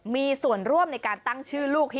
มีส่วนร่วมในการตั้งชื่อลูก